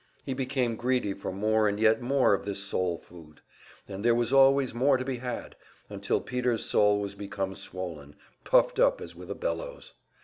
He became greedy for more and yet more of this soul food; and there was always more to be had until Peter's soul was become swollen, puffed up as with a bellows.